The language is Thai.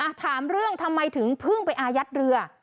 ถามเรื่องทำไมถึงเพิ่งไปอายัดเรือ